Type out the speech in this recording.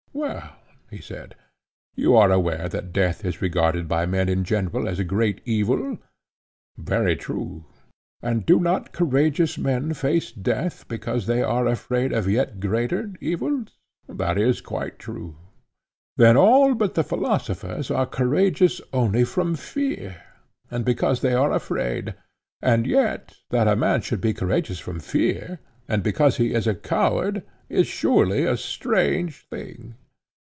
Well, he said, you are aware that death is regarded by men in general as a great evil. Very true, he said. And do not courageous men face death because they are afraid of yet greater evils? That is quite true. Then all but the philosophers are courageous only from fear, and because they are afraid; and yet that a man should be courageous from fear, and because he is a coward, is surely a strange thing.